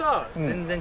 全然。